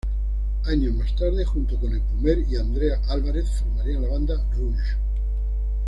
Años más tarde, junto con Epumer y Andrea Álvarez, formarían la banda "Rouge".